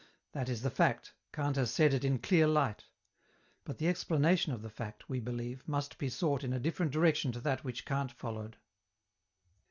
That is the fact. Kant has set it in clear light. But the explanation of the fact, we believe, must be sought in a different direction to that which Kant followed.